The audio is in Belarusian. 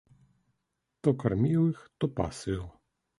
То карміў іх, то пасвіў.